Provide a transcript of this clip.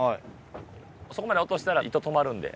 底まで落としたら糸止まるので。